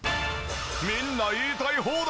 みんな言いたい放題！